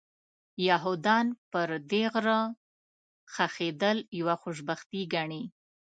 یهودان پر دې غره ښخېدل یوه خوشبختي ګڼي.